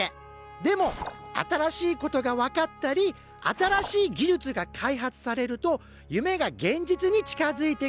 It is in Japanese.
でも新しいことが分かったり新しい技術が開発されると夢が現実に近づいてくる。